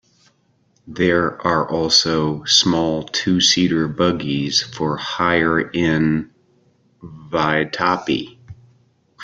There are also small, two-seater buggies for hire in Vaitape.